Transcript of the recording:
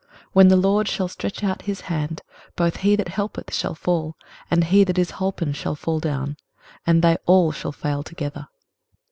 When the LORD shall stretch out his hand, both he that helpeth shall fall, and he that is holpen shall fall down, and they all shall fail together.